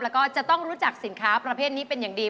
แล้วก็จะต้องรู้จักสินค้าประเภทนี้เป็นอย่างดี